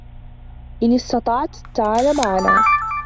إن استطعت ، تعال معنا.